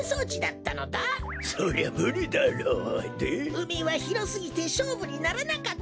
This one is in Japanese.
うみはひろすぎてしょうぶにならなかったのだ。